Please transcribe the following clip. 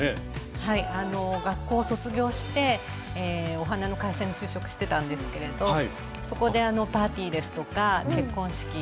あの学校を卒業してお花の会社に就職してたんですけれどそこでパーティーですとか結婚式